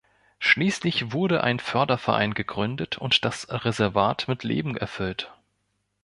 Schließlich wurde ein Förderverein gegründet und das Reservat mit Leben erfüllt.